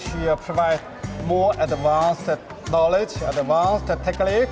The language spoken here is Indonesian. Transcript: kami berusaha memberikan pengetahuan lebih awal dan teknik yang lebih awal untuk melayan pesakit untuk menjadi lebih baik